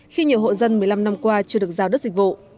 khi nhiều hộ dân một mươi năm năm qua chưa được giao đất dịch vụ